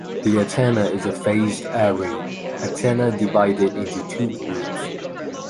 The antenna is a Phased Array antenna divided into two groups.